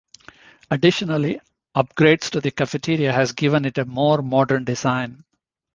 Additionally, upgrades to the cafeteria has given it a more modern design.